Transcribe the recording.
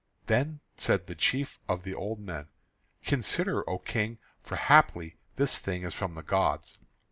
Then said the chief of the old men: "Consider, O King, for haply this thing is from the gods."